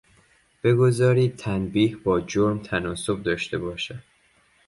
بگذارید تنبیه با جرم تناسب داشته باشد.